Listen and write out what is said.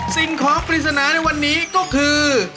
สิ่งของปริศนาในวันนี้ก็คือ